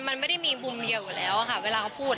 มันไม่ได้มีมุมเดียวอยู่แล้วค่ะเวลาเขาพูด